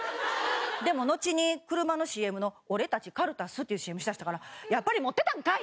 でものちに車のＣＭの「オレ・タチ、カルタス。」っていうＣＭしだしたからやっぱり持ってたんかい！